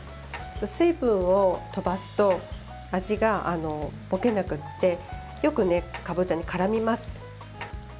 水分を飛ばすと味がぼけなくてよくかぼちゃにからみます。